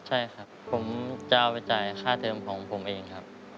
ใช่ครับผมจะเอาไปจ่ายค่าเทอมของผมเองครับ